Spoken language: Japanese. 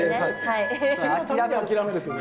はい！